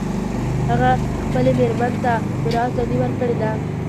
هغه خپلې میرمن ته پوره ازادي ورکړي ده